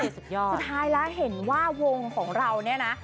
สุดท้ายแล้วเห็นว่าวงของเรานี่นะ